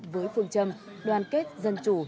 với phương châm đoàn kết dân chủ